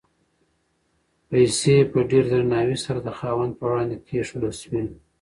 پیسې په ډېر درناوي سره د خاوند په وړاندې کېښودل شوې.